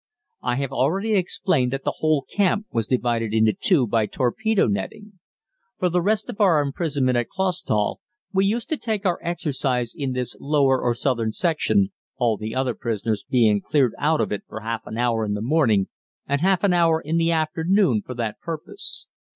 I have already explained that the whole camp was divided into two by torpedo netting. For the rest of our imprisonment at Clausthal, we used to take our exercise in this lower or southern section, all the other prisoners being cleared out of it for half an hour in the morning and half an hour in the afternoon for that purpose.